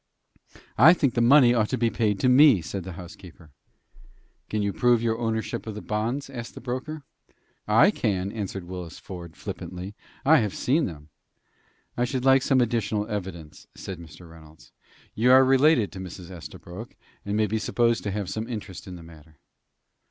"I think the money ought to be paid to me," said the housekeeper. "Can you prove your ownership of the bonds?" asked the broker. "I can," answered Willis Ford, flippantly. "I have seen them." "I should like some additional evidence," said Mr. Reynolds. "You are related to Mrs. Esta brook, and may be supposed to have some interest in the matter."